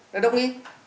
đó là đông y